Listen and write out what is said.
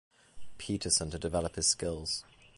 Peterson to develop his skills.